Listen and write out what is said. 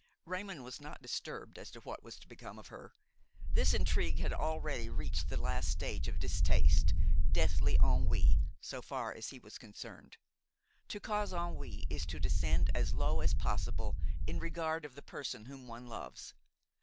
Raymon was not disturbed as to what was to become of her. This intrigue had already reached the last stage of distaste, deathly ennui, so far as he was concerned. To cause ennui is to descend as low as possible in the regard of the person whom one loves.